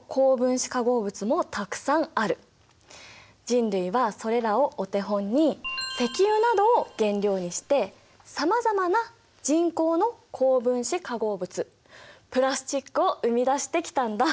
人類はそれらをお手本に石油などを原料にしてさまざまな人工の高分子化合物プラスチックを生み出してきたんだ。